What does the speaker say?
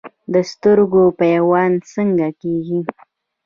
د سترګې پیوند څنګه کیږي؟